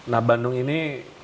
nah bandung ini